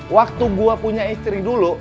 waktu gue punya istri dulu